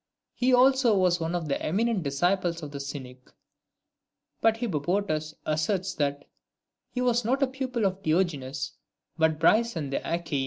He also was one of the eminent disciples of the Cynic. But Hippobotus asserts that he was not a pupil of Diogenes, but of Bryson the Achaean.